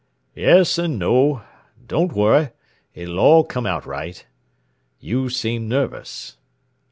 "Yes and no. Don't worry it'll all come out right. You seem nervous."